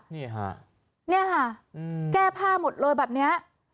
นี่ค่ะนี่ค่ะอืมแก้ภาพหมดเลยแบบเนี้ย